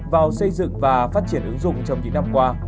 vào xây dựng và phát triển ứng dụng trong những năm qua